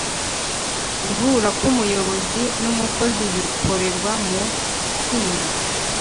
Guhura k umuyobozi n umukozi bikorerwa mu itsinda